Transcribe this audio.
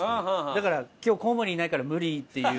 だから「今日コウモリいないから無理」っていう。